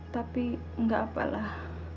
tapi gak apalah